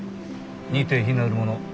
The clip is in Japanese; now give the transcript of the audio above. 似て非なるもの。